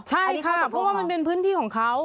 ใช่ค่ะเพราะว่ามันเป็นพื้นที่ของเขา